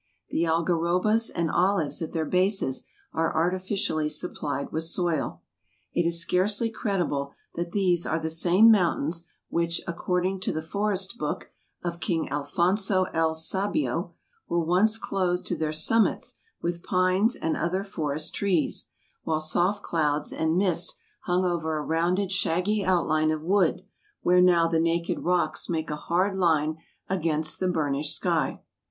The algarobas and olives at their bases are artificially supplied with soil. It is scarcely credible that these are the same mountains which, according to the forest book of King Alfonso el Sabio, were once clothed to their summits with pines and other forest trees, while soft clouds and mist hung over a rounded, shaggy outline of wood where now the naked rocks make a hard line against the burnished sky.